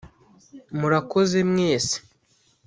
Murakoze mwese